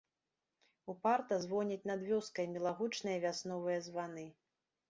Упарта звоняць над вёскай мілагучныя вясновыя званы.